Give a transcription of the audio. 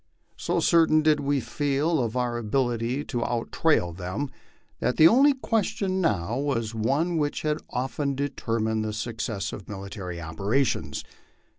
So certain did we feel of our ability to out trail them, that the only question now was one which has often determined the suc cess of military operations.